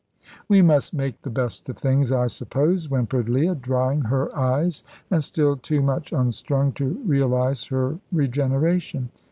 "We must make the best of things, I suppose," whimpered Leah, drying her eyes, and still too much unstrung to realise her regeneration.